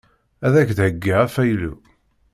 Ad ak-d-heyyiɣ afaylu.